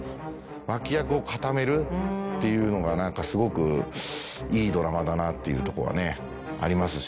脇役を固めるっていうのが何かすごくいいドラマだなっていうとこはありますし。